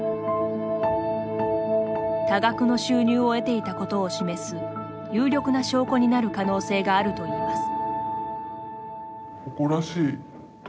多額の収入を得ていたことを示す有力な証拠になる可能性があるといいます。